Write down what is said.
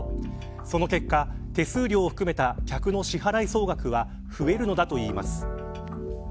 その結果、手数料を含めた客の支払い総額は増えるのだといいます。